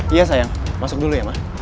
iya sayang masuk dulu ya mas